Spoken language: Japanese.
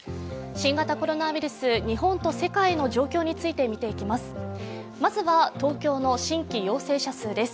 新型コロナウイルス、日本と世界の状況について見ていきます。